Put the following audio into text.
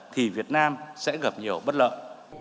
thì việt nam sẽ gặp nhiều bất lợi